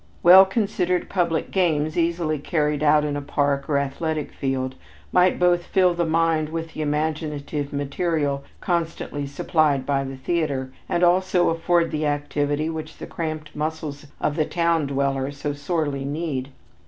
Well considered public games easily carried out in a park or athletic field, might both fill the mind with the imaginative material constantly supplied by the theater, and also afford the activity which the cramped muscles of the town dweller so sorely need.